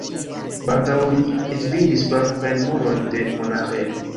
Baldaŭ li ekvidis blankajn murojn de monaĥejo.